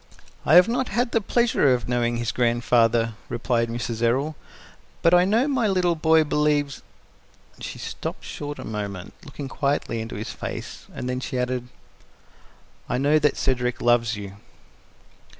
"I have not had the pleasure of knowing his grandfather," replied Mrs. Errol, "but I know my little boy believes " She stopped short a moment, looking quietly into his face, and then she added, "I know that Cedric loves you."